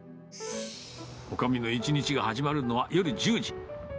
おかみの一日が始まるのは、夜１０時。